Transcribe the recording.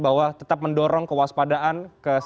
bahwa tetap mendorong kewaspadaan